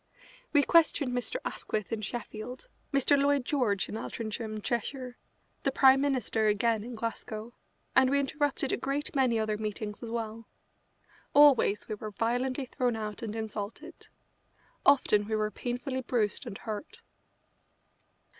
We questioned Mr. Asquith in Sheffield, Mr. Lloyd George in Altrincham, Cheshire, the Prime Minister again in Glasgow, and we interrupted a great many other meetings as well. Always we were violently thrown out and insulted. Often we were painfully bruised and hurt.